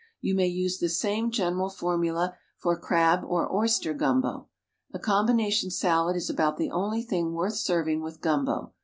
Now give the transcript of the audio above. You may use the same general formula for Crab or Oyster Gumbo. A Combination Salad is about the only thing worth serving with Gumbo.